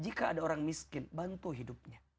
jika ada orang miskin bantu hidupnya